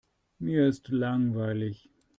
Mir ist langweilig.